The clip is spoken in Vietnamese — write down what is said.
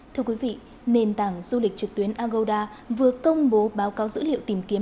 thưa quý vị nền tảng du lịch trực tuyến agoda vừa công bố báo cáo dữ liệu tìm kiếm